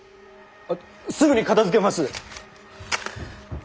すぐに片づけます。